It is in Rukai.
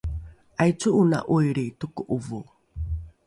’aico’ona ’oilri toko’ovo!